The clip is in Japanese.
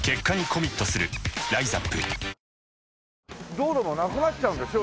道路もなくなっちゃうんでしょ